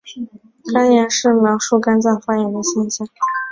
肝炎是描述肝脏发炎的现象。